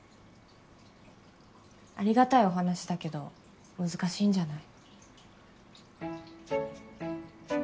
ありがたいお話だけど難しいんじゃない？